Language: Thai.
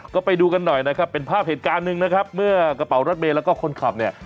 ก็ไปดูกันหน่อยนะครับเป็นภาพเหตุการณ์หนึ่งนะครับเมื่อกระเป๋ารถเมย์แล้วก็คนขับเนี่ย